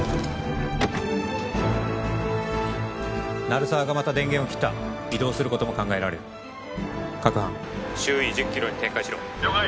鳴沢がまた電源を切った移動することも考えられる各班周囲１０キロに展開しろ了解